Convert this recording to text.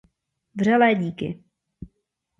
Vřelé díky!